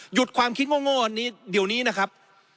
หยุดความคิดโง่เดี๋ยวนี้นะครับ